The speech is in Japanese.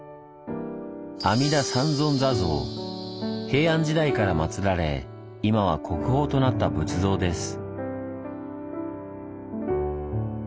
平安時代から祀られ今は国宝となった仏像です。